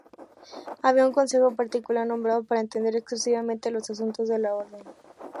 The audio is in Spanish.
Había un consejo particular, nombrado para entender exclusivamente de los asuntos de la orden.